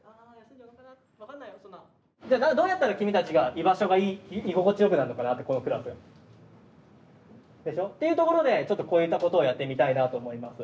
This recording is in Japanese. じゃあどうやったら君たちが居場所が居心地よくなるのかなってこのクラス。でしょ？っていうところでちょっとこういったことをやってみたいなと思います。